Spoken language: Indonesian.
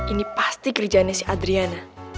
ini pasti kerjaannya si adriana